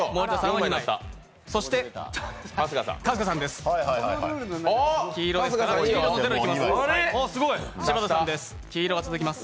そして春日さんです。